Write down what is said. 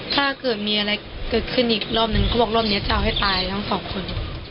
ถ้าเกิดมีอะไรเกิดขึ้นอีกรอบนึงเขาบอกรอบนี้จะเอาให้ตายทั้งสองคน